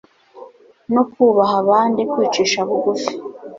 no kubaha abandi , kwicisha bugufi